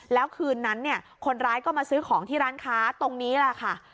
แล้วคืนนั้นเนี่ยคนร้ายก็มาซื้อของที่ร้านค้าตรงนี้แหละค่ะ